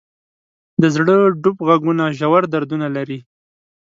د زړه ډوب ږغونه ژور دردونه لري.